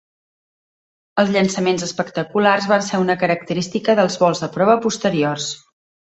Els llançaments espectaculars van ser una característica dels vols de prova posteriors.